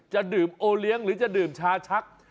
จะดื่มโอเลี้ยงหรือจะดื่มชาชัก